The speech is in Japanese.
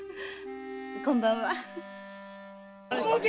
こんばんは。